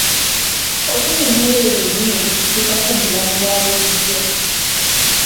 Okunnyonnyola ebyo byennyini ebibatuukako mu bulamu obwa bulijjo.